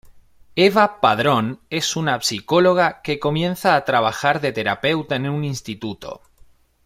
Eva Padrón es una psicóloga que comienza a trabajar de terapeuta en un instituto.